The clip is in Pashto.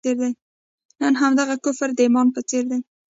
نن همدغه کفر د ایمان په څېر دی.